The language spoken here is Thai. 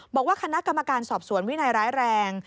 บอกว่าคณะกรรมการสอบสวนวินัยร้ายแรง